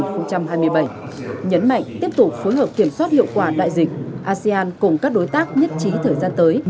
nhấn mạnh tiếp tục phối hợp kiểm soát hiệu quả đại dịch asean cùng các đối tác nhất trí thời gian tới